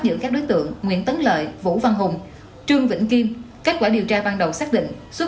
giữ các đối tượng nguyễn tấn lợi vũ văn hùng trương vĩnh kim kết quả điều tra ban đầu xác định xuất